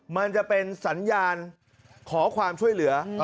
มันจะเป็นสัญญาณขอความช่วยเหลือ